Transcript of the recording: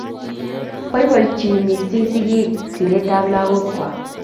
boibochini mising' sigik siretab lagokwak